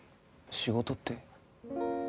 仕事って？